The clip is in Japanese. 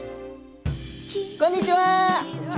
こんにちは。